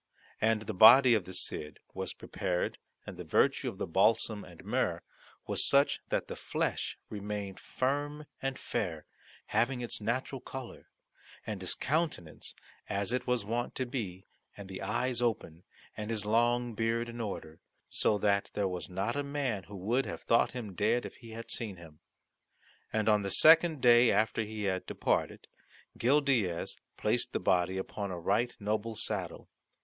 And the body of the Cid was prepared and the virtue of the balsam and myrrh was such that the flesh remained firm and fair, having its natural colour and his countenance as it was wont to be, and the eyes open, and his long beard in order, so that there was not a man who would have thought him dead if he had seen him. And on the second day after he had departed, Gil Diaz placed the body upon a right noble saddle.